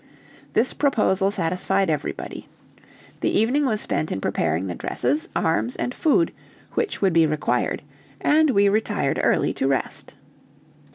This proposal satisfied everybody. The evening was spent in preparing the dresses, arms, and food which would be required, and we retired early to rest.